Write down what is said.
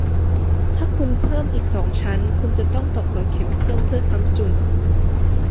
ถ้าคุณเพิ่มอีกสองชั้น คุณจะต้องตอกเสาเข็มเพิ่มเพื่อค้ำจุน